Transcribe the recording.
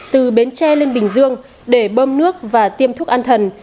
từ bến tre lên bình dương để bơm nước và tiêm thuốc an thần